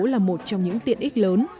là một trong những tiện ích lớn